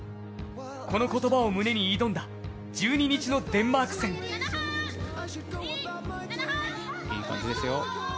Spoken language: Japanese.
この言葉を胸に挑んだ１２日のデンマーク戦。いい感じですよ